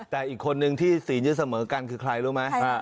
แต่อีกคนนึงที่ศีลจะเสมอกันคือใครรู้ไหม